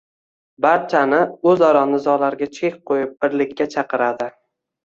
barchani o'zaro nizolarga chek qo'yib birlikka chaqiradi.